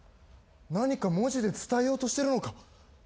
何か文字で伝えようとしてるのか？